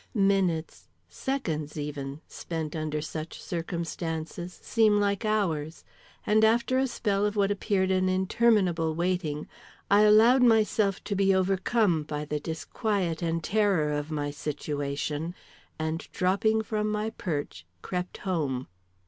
"Minutes, seconds even, spent under such circumstances, seem like hours; and after a spell of what appeared an interminable waiting, I allowed myself to be overcome by the disquiet and terror of my situation, and dropping from my perch, crept home."